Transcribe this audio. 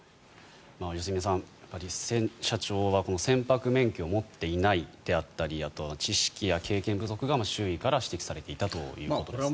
良純さん社長は船舶免許を持っていないであったりあとは知識や経験不足が周囲から指摘されていたということです。